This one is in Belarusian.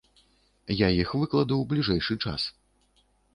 Я іх выкладу ў бліжэйшы час.